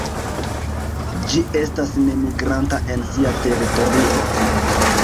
Ĝi estas nemigranta en sia teritorio.